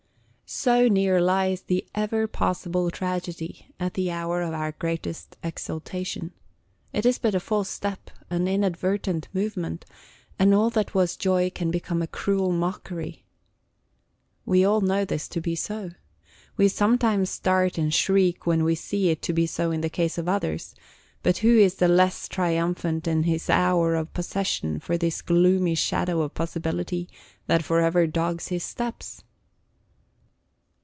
So near lies the ever possible tragedy at the hour of our greatest exultation; it is but a false step, an inadvertent movement, and all that was joy can become a cruel mockery! We all know this to be so. We sometimes start and shriek when we see it to be so in the case of others, but who is the less triumphant in his hour of possession for this gloomy shadow of possibility that forever dogs his steps?